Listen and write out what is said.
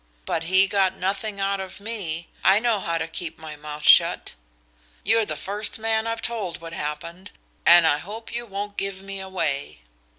But he got nothing out of me. I know how to keep my mouth shut. You're the first man I've told what happened, and I hope you won't give me away."